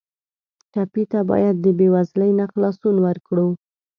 ټپي ته باید د بېوزلۍ نه خلاصون ورکړو.